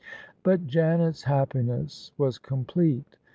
But Janet's happiness was complete.